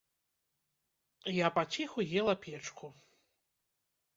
Я паціху ела печку.